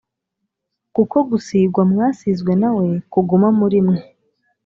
Kuko gusigwa mwasizwe na we kuguma muri mwe,